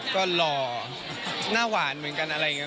ก็หล่อหน้าหวานเหมือนกันอะไรอย่างนี้